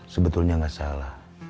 sebetulnya enggak salah